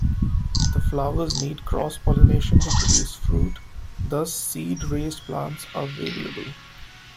The flowers need cross pollination to produce fruit, thus seed raised plants are variable.